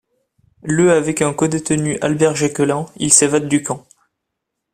Le avec un codétenu Albert Jacquelin, il s’évade du camp.